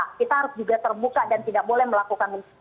kita harus juga terbuka dan tidak boleh melakukan